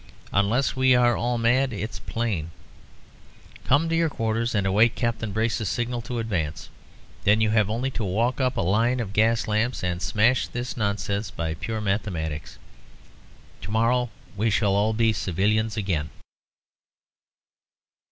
Unless we are all mad, it's plain. Come on. To your quarters and await Captain Brace's signal to advance. Then you have only to walk up a line of gas lamps and smash this nonsense by pure mathematics. To morrow we shall all be civilians again."